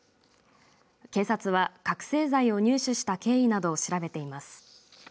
警察は、覚醒剤を入手した経緯などを調べています。